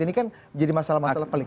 ini kan jadi masalah masalah pelik